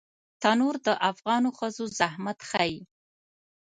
تنور د افغانو ښځو زحمت ښيي